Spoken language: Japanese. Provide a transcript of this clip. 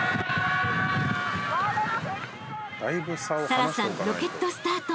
［沙羅さんロケットスタート］